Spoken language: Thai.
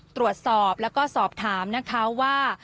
ตรวจสอบแล้วก็สอบถามนะคะว่า